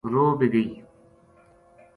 رو بھی گئی